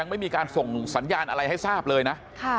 ไม่มีการส่งสัญญาณอะไรให้ทราบเลยนะ